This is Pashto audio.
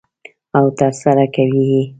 او ترسره کوي یې.